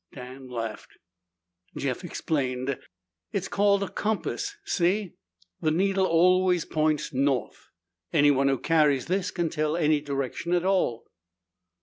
Dan laughed. Jeff explained. "It's called a compass. See? The needle always points north. Anyone who carries this can tell any direction at all."